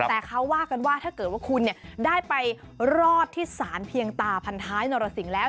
แต่เขาว่ากันว่าถ้าเกิดว่าคุณได้ไปรอดที่สารเพียงตาพันท้ายนรสิงห์แล้ว